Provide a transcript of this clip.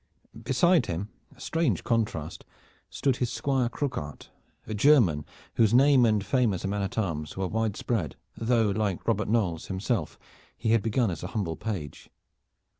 Beside him, a strange contrast, stood his Squire, Croquart, a German, whose name and fame as a man at arms were widespread, though like Robert Knolles himself he had begun as a humble page.